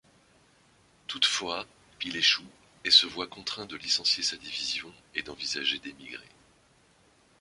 Toutefois il échoue et se voit contraint de licencier sa division et d'envisager d'émigrer.